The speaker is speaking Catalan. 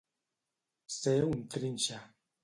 Ser un trinxa.